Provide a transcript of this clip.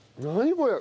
これ！